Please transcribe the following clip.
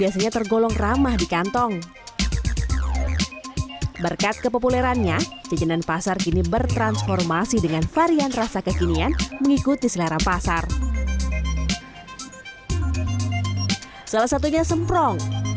salah satunya semprong